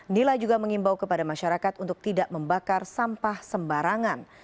nila juga mengimbau kepada masyarakat untuk tidak membakar sampah sembarangan